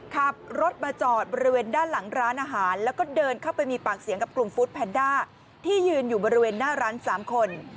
ขับรถมาจอดบริเวณด้านหลังร้านอาหารแล้วก็เดินเข้าไปมีปากเสียงกับกลุ่มฟู้ดแพนด้าที่ยืนอยู่บริเวณหน้าร้าน๓คน